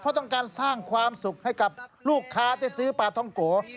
เพราะต้องการสร้างความสุขให้กับลูกค้าที่ซื้อปลาท้องโก